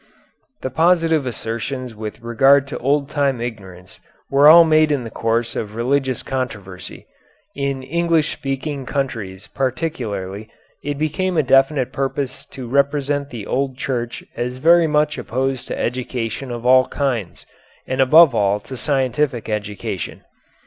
The positive assertions with regard to old time ignorance were all made in the course of religious controversy. In English speaking countries particularly it became a definite purpose to represent the old Church as very much opposed to education of all kinds and above all to scientific education.